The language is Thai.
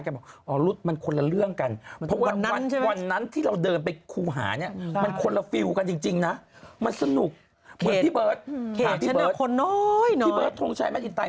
พี่เบิร์ดมีสุวรรณานพวกที่แบบว่าหวันใจชาวไทย